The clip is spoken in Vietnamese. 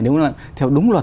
nếu theo đúng luật